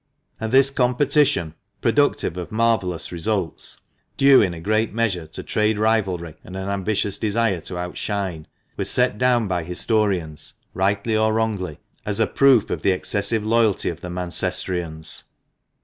And this competition, productive of marvellous results — due, in a great measure, to trade rivalry and an ambitious desire to outshine — was set down by historians, rightly or wrongly, as a proof of the excessive loyalty of the Mancestrians.